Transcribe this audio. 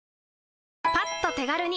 パッと手軽に！